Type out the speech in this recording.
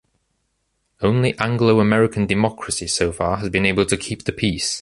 Only Anglo-American democracy, so far, has been able to keep the peace.